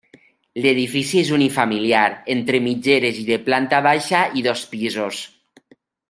L'edifici és unifamiliar, entre mitgeres i de planta baixa i dos pisos.